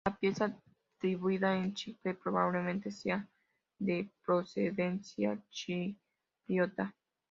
La pieza atribuida a Chipre probablemente sea de procedencia chipriota.